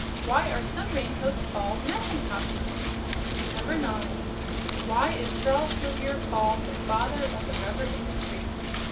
Why are some raincoats called mackintoshes? 9. Why is Charles Goodyear called "the father of the rubber industry"?